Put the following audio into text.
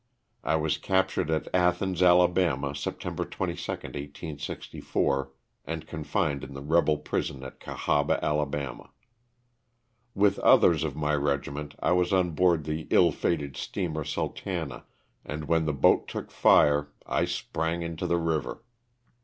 I was captured at Athens, Ala., September 22, 1864, and confined in the rebel prison at Cahaba, Ala. With others of my regiment I was on board the ill fated steamer " Sultana," and when the boat took fire I sprang into the river.